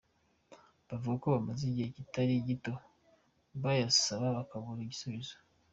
Bavuga ko bamaze igihe kitari gito bayasaba bakabura igisubizo.